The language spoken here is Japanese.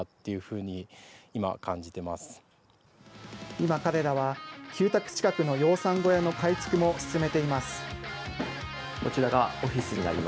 今、彼らは旧宅近くの養蚕小屋の改築も進めています。